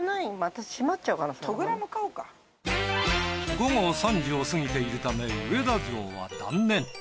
午後３時を過ぎているため上田城は断念。